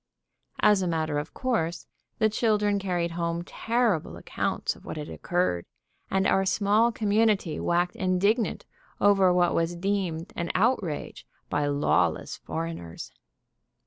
As a matter of course the children carried home terrible accounts of what had occurred, and our small community waxed indignant over what was deemed an outrage by lawless foreigners.